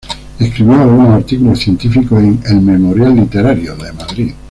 Escribió algunos artículos científicos en "El Memorial Literario" de Madrid.